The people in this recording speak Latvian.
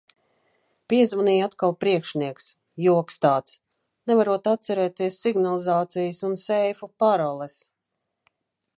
Piezvanīja atkal priekšnieks, joks tāds. Nevarot atcerēties signalizācijas un seifu paroles.